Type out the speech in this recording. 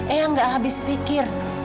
ayah enggak habis pikir